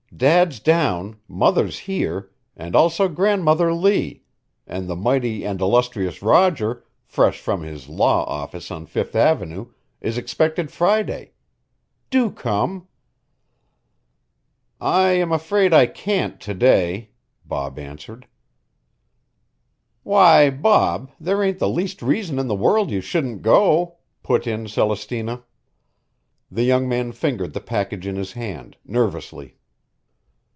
Dad's down, Mother's here, and also Grandmother Lee; and the mighty and illustrious Roger, fresh from his law office on Fifth Avenue, is expected Friday. Do come." "I am afraid I can't to day," Bob answered. "Why, Bob, there ain't the least reason in the world you shouldn't go," put in Celestina. The young man fingered the package in his hand nervously.